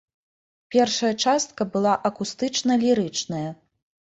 Першая частка была акустычна-лірычная.